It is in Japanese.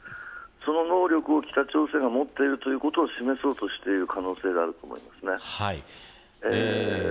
その能力を北朝鮮が持ってるということを示している可能性があります。